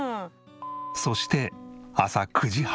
そして朝９時半。